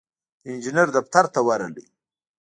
د انجينر دفتر ته ورغی.